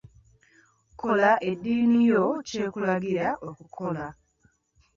Kola eddiini yo ky'ekulagira okukola.